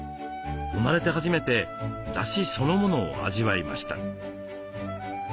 生まれて初めてだしそのものを味わいました。